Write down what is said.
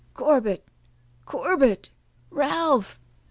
"Corbet, Corbet! Ralph!"